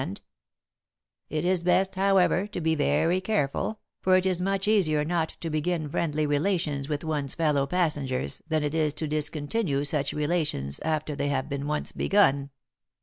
[Sidenote: At the End of the Journey] "'It is best, however, to be very careful, for it is much easier not to begin friendly relations with one's fellow passengers than it is to discontinue such relations after they have been once begun.